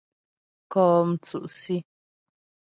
Kɔ́ mtsʉ́' Sí.